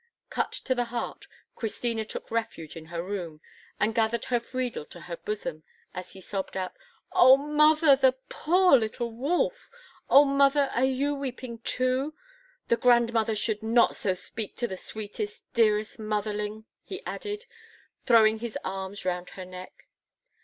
Cut to the heart, Christina took refuge in her room, and gathered her Friedel to her bosom, as he sobbed out, "Oh, mother, the poor little wolf! Oh, mother, are you weeping too? The grandmother should not so speak to the sweetest, dearest motherling," he added, throwing his arms round her neck.